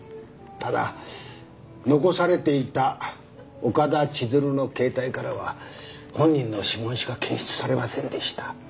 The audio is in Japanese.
ただ残されていた岡田千鶴の携帯からは本人の指紋しか検出されませんでした。